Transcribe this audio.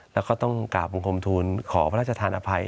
แล้วก็ต้องกลาบควมทูลขอพระราชธานภัย